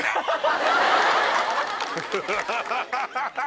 ハハハハハ！